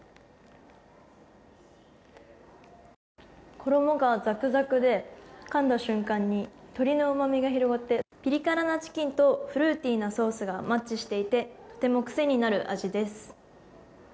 衣がザクザクで噛んだ瞬間に鶏のうまみが広がってピリ辛なチキンとフルーティーなソースがマッチしていてとてもクセになる味です。